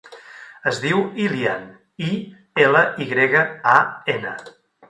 Es diu Ilyan: i, ela, i grega, a, ena.